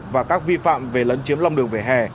và các vi phạm về lẫn chiếm lòng đường về hè